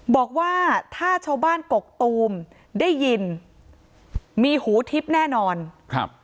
บอกว่าถ้าชาวบ้านกกตูมได้ยินมีหูทิพย์แน่นอนครับ